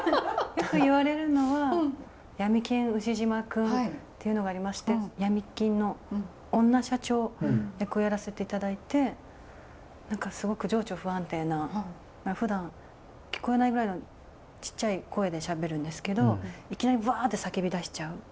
よく言われるのは「闇金ウシジマくん」っていうのがありまして闇金の女社長役をやらせていただいて何かすごく情緒不安定なふだん聞こえないぐらいのちっちゃい声でしゃべるんですけどいきなりブワって叫び出しちゃう。